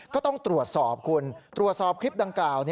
ก็ต้องตรวจสอบคุณตรวจสอบคลิปดังกล่าว